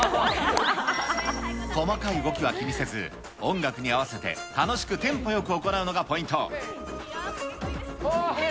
細かい動きは気にせず、音楽に合わせて、楽しくテンポよあー、ＯＫ。